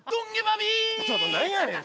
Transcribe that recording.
ちょっと何やねん！